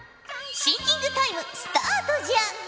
シンキングタイムスタートじゃ。